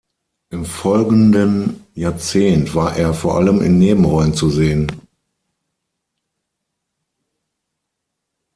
Im folgenden Jahrzehnt war er vor allem in Nebenrollen zu sehen.